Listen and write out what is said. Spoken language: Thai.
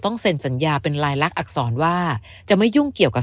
เซ็นสัญญาเป็นลายลักษรว่าจะไม่ยุ่งเกี่ยวกับ